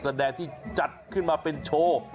แสดงที่จัดขึ้นมาเป็นโชว์